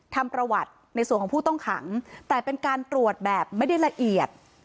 ทำประวัติในส่วนของผู้ต้องขังแต่เป็นการตรวจแบบไม่ได้ละเอียด